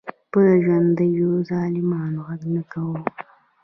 په ژوندیو ظالمانو غږ نه کوو.